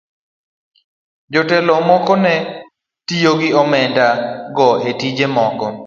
Jotelo moko ne otiyo gi omenda go e tije moko.